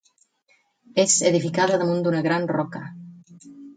És edificada damunt d'una gran roca.